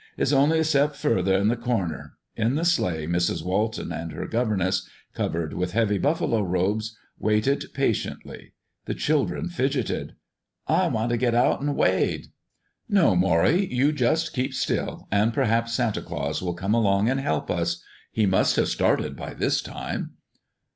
'S only a step further 'n the Corner." In the sleigh, Mrs. Walton and her governess, covered with heavy buffalo robes, waited patiently. The children fidgeted. "I want to get out and wade." "No, Morrie, you just keep still, and perhaps Santa Claus will come along and help us. He must have started by this time."